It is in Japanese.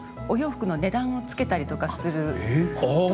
お洋服の値段をつけたりとかする。